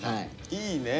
いいね。